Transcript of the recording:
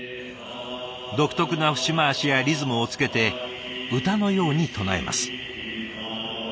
独特な節回しやリズムをつけて歌のように唱えます。